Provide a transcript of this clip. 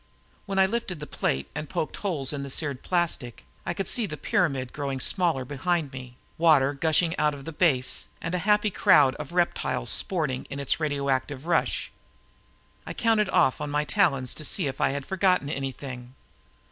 When I lifted the plate and poked holes in the seared plastic, I could see the pyramid growing smaller behind me, water gushing out of the base and a happy crowd of reptiles sporting in its radioactive rush. I counted off on my talons to see if I had forgotten anything.